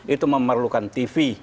itu memerlukan tv